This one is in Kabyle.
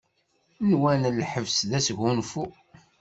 Nwan lḥebs d asgunfu.